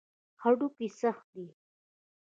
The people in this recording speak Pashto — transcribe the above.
هډوکي سخت دي.